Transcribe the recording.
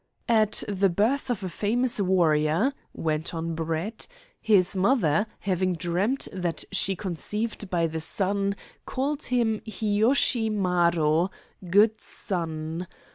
"At the birth of a famous warrior," went on Brett, "his mother, having dreamed that she conceived by the sun, called him Hiyoshi Maro (good sun).